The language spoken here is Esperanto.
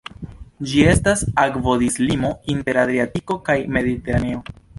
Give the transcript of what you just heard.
Ĝi estas akvodislimo inter Adriatiko kaj Mediteraneo.